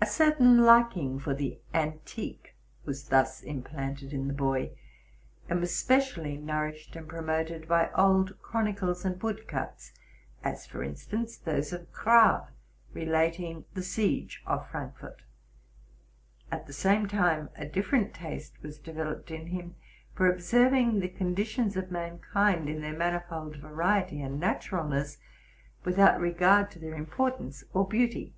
A certain liking for the antique was thus implanted in the hoy. and was specially nourished and promoted by old chron icles and woodcuts, as, for instance, those of Grave relating to the siege of Frankfort. At the same time a different taste was developed in him for observing the cenditions of man kind in their manifold variety and naturalness, without regard to their importance or beauty.